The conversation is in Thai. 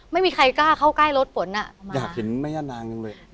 ไม่มีใครกล้าเข้าใกล้รถฝนอ่ะอยากเห็นแม่ย่านางจังเลย